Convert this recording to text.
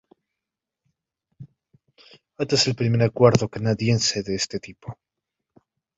Este es el primer acuerdo canadiense de este tipo.